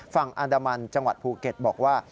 ฝั่งอันดามันจังหวัดภูเก็ตบอกว่า